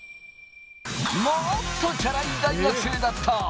もっとチャラい大学生だった。